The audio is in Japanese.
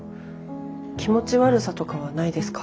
気持ち悪さとかはないですか？